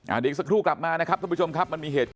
อันนี้อีกสักครู่กลับมานะครับทุกผู้ชมครับ